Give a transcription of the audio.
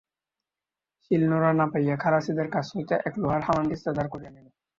শিল-নোড়া না পাইয়া খালাসিদের কাছ হইতে এক লোহার হামানদিস্তা ধার করিয়া আনিল।